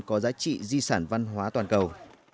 có giá trị di sản văn hóa toàn cầu